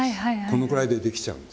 このくらいでできちゃうんです。